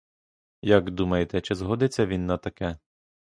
Як думаєте, чи згодиться він на таке?